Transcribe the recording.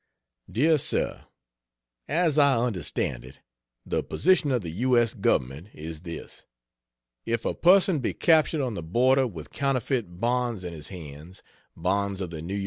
DEAR SIR, As I understand it, the position of the U. S. Government is this: If a person be captured on the border with counterfeit bonds in his hands bonds of the N. Y.